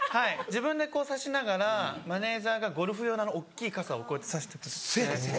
自分でこう差しながらマネジャーがゴルフ用のあの大っきい傘をこうやって差してます。